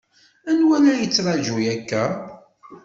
Anwa i la yettṛaǧu akka?